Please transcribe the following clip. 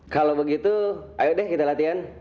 kalau begitu ayo deh kita latihan